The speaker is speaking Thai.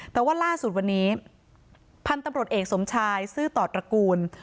แต่ว่าล่าสุดวันนี้พันธุ์ตำรวจเอกสมชายซื่อต่อตระกูล